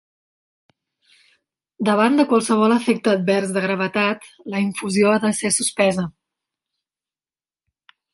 Davant de qualsevol efecte advers de gravetat, la infusió ha de ser suspesa.